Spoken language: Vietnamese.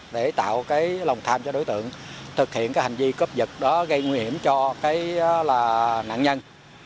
để tạo lòng tham cho đối tượng thực hiện hành vi cướp giật đó gây nguy hiểm cho nạn nhân